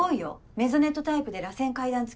メゾネットタイプでらせん階段つき